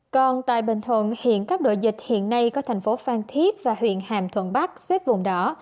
còn tại bình thuận hiện các đội dịch hiện nay có thành phố phan thiết và huyện hàm thuận bắc xếp vùng đỏ